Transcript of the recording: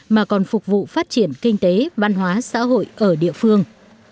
mà còn phục vụ phát triển kinh tế văn hóa xã hội ở địa phương